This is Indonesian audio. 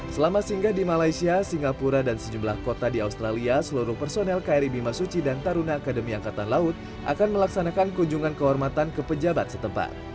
selama singgah di malaysia singapura dan sejumlah kota di australia seluruh personel kri bimasuci dan taruna akademi angkatan laut akan melaksanakan kunjungan kehormatan ke pejabat setempat